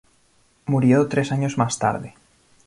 Murió tres años más tarde.